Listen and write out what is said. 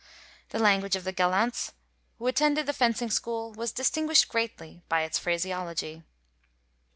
The language of the gallants who attended the fencing school was distinguisht greatly by its phraseology.